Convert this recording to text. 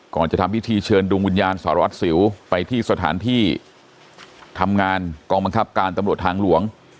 ก่อนจะทำพิธีเชิญดวงวิญญาณสารวัตรสิวไปที่สถานที่ทำงานกองบังคับการตำรวจทางหลวง